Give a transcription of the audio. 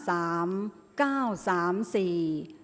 ออกรางวัลที่๖